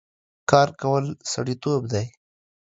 کار کول سړيتوب دی